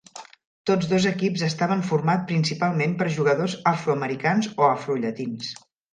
Tots dos equips estaven formats principalment per jugadors afroamericans o afrollatins.